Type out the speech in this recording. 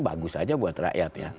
bagus aja buat rakyat ya